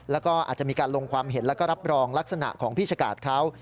แล้วก็อาจจะมีการลงความเห็นแล้วก็รับรองลักษณะของพี่ชกาศเขา